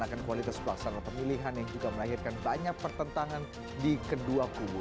akan kualitas pelaksana pemilihan yang juga melahirkan banyak pertentangan di kedua kubu